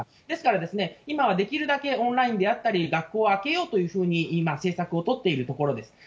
ですから、今はできるだけオンラインであったり、学校を開けようというふうに今、政策を取っているところです。